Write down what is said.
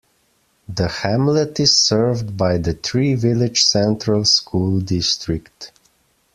The hamlet is served by the Three Village Central School District.